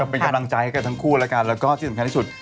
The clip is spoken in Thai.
เป็นกำลังใจให้ทั้งคู่แล้วก็ที่สำคัญที่สุด